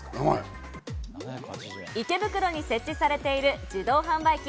池袋に設置されている自動販売機。